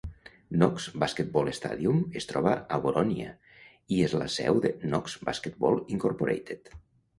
Knox Basketball Stadium es troba a Borònia i és la seu de Knox Basketball Incorporated.